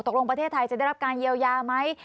ประเทศไทยจะได้รับการเยียวยาไหม